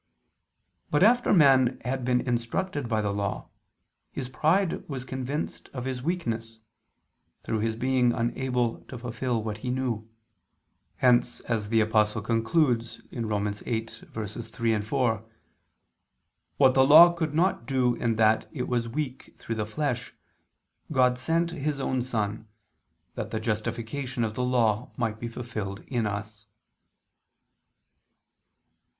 But, after man had been instructed by the Law, his pride was convinced of his weakness, through his being unable to fulfil what he knew. Hence, as the Apostle concludes (Rom. 8:3, 4), "what the Law could not do in that it was weak through the flesh, God sent [Vulg.: 'sending'] His own Son ... that the justification of the Law might be fulfilled in us."